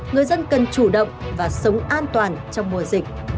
người dân cần chủ động và sống an toàn trong mùa dịch